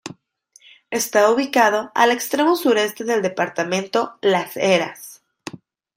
Está ubicado al extremo sureste del departamento Las Heras.